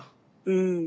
うん。